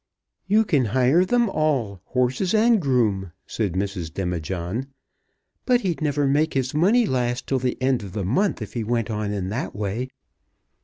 "You can hire them all, horses and groom," said Mrs. Demijohn; "but he'd never make his money last till the end of the month if he went on in that way."